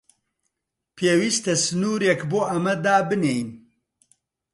پێویستە سنوورێک بۆ ئەمە دابنێین.